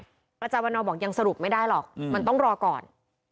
อาจารย์วันนอบอกยังสรุปไม่ได้หรอกมันต้องรอก่อน